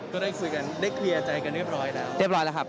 ก็ได้คุยกันได้เคลียร์ใจกันเรียบร้อยแล้วเรียบร้อยแล้วครับ